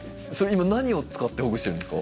今何を使ってほぐしてるんですか？